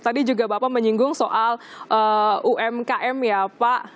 tadi juga bapak menyinggung soal umkm ya pak